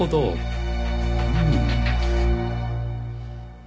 うん。